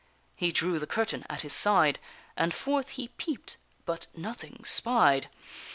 He drew the curtain at his side, And forth he peep'd, but nothing spied.